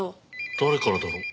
誰からだろう？